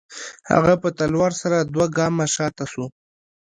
هغه په تلوار سره دوه گامه شاته سوه.